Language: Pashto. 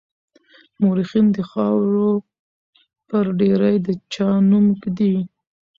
مورخين د خاورو پر ډېري د چا نوم ږدي.